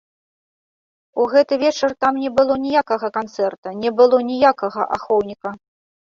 У гэты вечар там не было ніякага канцэрта, не было ніякага ахоўніка.